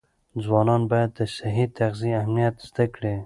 ځوانان باید د صحي تغذیې اهمیت زده کړي.